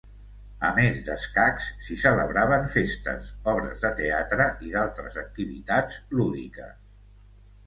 A més d'escacs, s'hi celebraven festes, obres de teatre i d'altres activitats lúdiques.